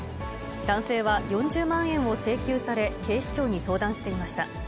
男性は、４０万円を請求され、警視庁に相談していました。